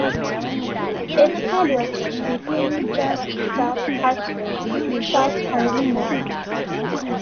Its headwaters begin just south of Hartsville, South Carolina.